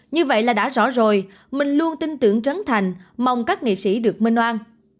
như vậy là đã rõ rồi mình luôn tin tưởng trấn thành mong các nghệ sĩ được minh oan